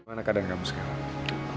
gimana keadaan kamu sekarang